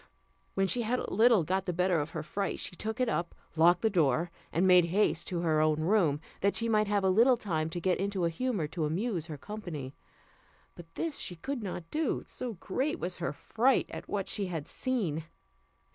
When she had a little got the better of her fright, she took it up, locked the door, and made haste back to her own room, that she might have a little time to get into a humour to amuse her company; but this she could not do, so great was her fright at what she had seen.